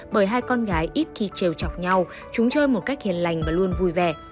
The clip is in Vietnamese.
bởi hai con gái ít khi trèo chọc nhau chúng chơi một cách hiền lành và luôn vui vẻ